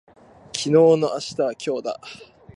昨日の明日は今日だ